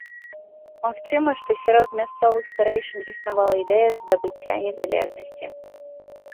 Магчыма, што сярод мясцовых старэйшын існавала ідэя здабыцця незалежнасці.